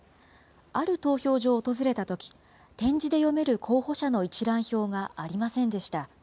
ある投票所を訪れたとき、点字で読める候補者の一覧表がありませんでした。